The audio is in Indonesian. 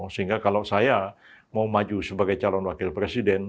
sehingga kalau saya mau maju sebagai calon wakil presiden